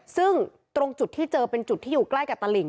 ซึ่งตรงจุดที่เจอเป็นจุดที่อยู่ใกล้กับตลิ่ง